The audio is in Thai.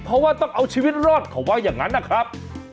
เพราะว่าต้องเอาชีวิตรอดเขาว่าอย่างนั้นนะครับ